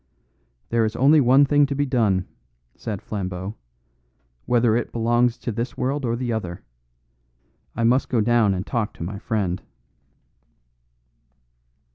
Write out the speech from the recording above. "There is only one thing to be done," said Flambeau, "whether it belongs to this world or the other. I must go down and talk to my friend."